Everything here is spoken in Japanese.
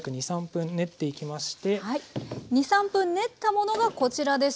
２３分練ったものがこちらです。